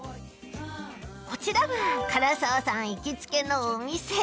こちらが唐沢さん行きつけのお店